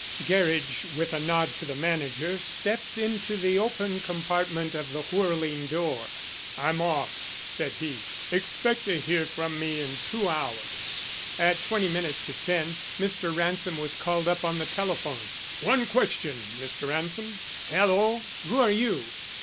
Gerridge, with a nod to the manager, stepped into the open compartment of the whirling door. "I'm off," said he. "Expect to hear from me in two hours." At twenty minutes to ten Mr. Ransom was called up on the telephone. "One question, Mr. Ransom." "Hello, who are you?"